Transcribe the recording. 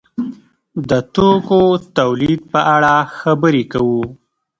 د توکو تولید په اړه خبرې کوو.